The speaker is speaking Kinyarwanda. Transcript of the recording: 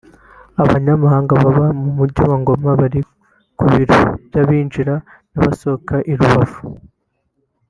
Abanyamahanga babaga mu mujyi wa Goma bari ku biro by’abinjira n’abasohoka i Rubavu